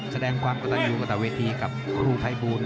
แสดงความกระตันอยู่กระตะเวทีกับครูภัยบูล